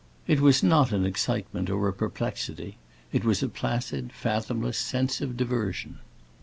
It was not an excitement or a perplexity; it was a placid, fathomless sense of diversion.